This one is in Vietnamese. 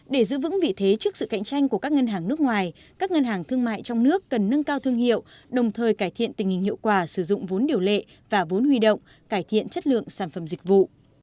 để giữ vững vị thế trước sự cạnh tranh của các ngân hàng nước ngoài các ngân hàng thương mại trong nước cần nâng cao thương hiệu đồng thời cải thiện tình hình hiệu quả sử dụng vốn điều lệ và vốn huy động cải thiện chất lượng sản phẩm dịch vụ